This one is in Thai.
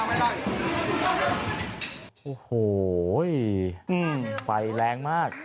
โอ้โหไฟแรงมาก